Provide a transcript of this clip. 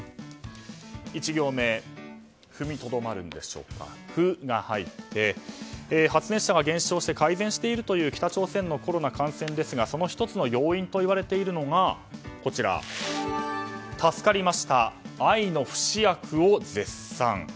１行目踏みとどまるんでしょうか「フ」が入って発熱者は減少して改善しているという北朝鮮のコロナ感染ですが１つの要因といわれているのがこちら、助かりました愛の不死薬を絶賛。